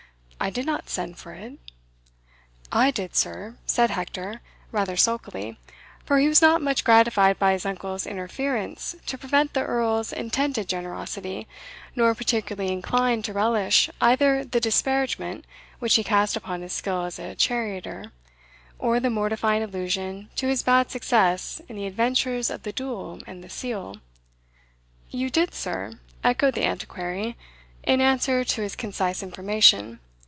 I did not send for it." "I did, sir," said Hector, rather sulkily, for he was not much gratified by his uncle's interference to prevent the Earl's intended generosity, nor particularly inclined to relish either the disparagement which he cast upon his skill as a charioteer, or the mortifying allusion to his bad success in the adventures of the duel and the seal. "You did, sir?" echoed the Antiquary, in answer to his concise information.